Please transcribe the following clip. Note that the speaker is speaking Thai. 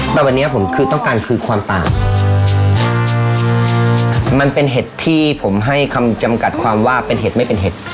แต่วันนี้ผมคือต้องการคือความต่างมันเป็นเห็ดที่ผมให้คำจำกัดความว่าเป็นเห็ดไม่เป็นเห็ด